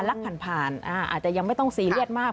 รักผ่านผ่านอาจจะยังไม่ต้องซีเรียสมาก